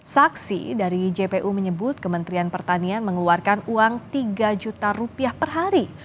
saksi dari jpu menyebut kementerian pertanian mengeluarkan uang tiga juta rupiah per hari